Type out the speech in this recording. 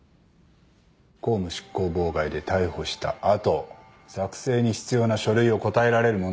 公務執行妨害で逮捕した後作成に必要な書類を答えられる者は？